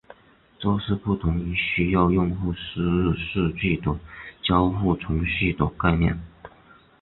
这是不同于需要用户输入数据的交互程序的概念。